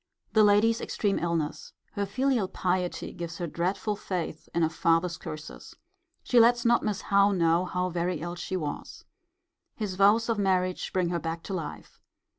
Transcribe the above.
The lady's extreme illness. Her filial piety gives her dreadful faith in a father's curses. She lets not Miss Howe know how very ill she was. His vows of marriage bring her back to life.